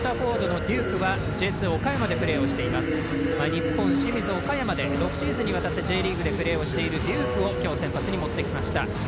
日本、清水、岡山で６シーズンにわたってプレーをしているデュークを今日、先発に持ってきました。